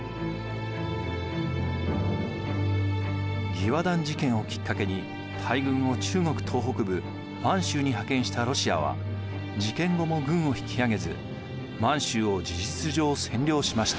義和団事件をきっかけに大軍を中国東北部満州に派遣したロシアは事件後も軍を引き上げず満州を事実上占領しました。